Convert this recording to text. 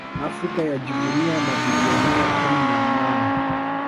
Afrika yajivunia mabilionea kumi na nane